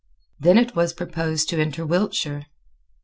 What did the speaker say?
Then it was proposed to enter Wiltshire.